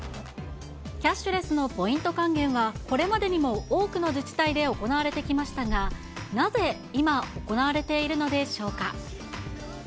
キャッシュレスのポイント還元は、これまでにも多くの自治体で行われてきましたが、なぜ今、行われているのでしょうか。